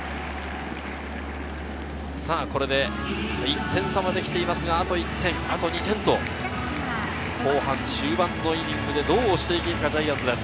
これで１点差まで来ていますが、あと１点、２点と後半、中盤のイニングでどう押していけるか、ジャイアンツです。